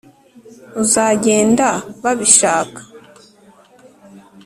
uzagenda babishaka???